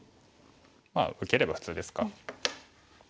まあ受ければ普通ですか。